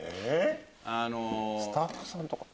スタッフさんとか？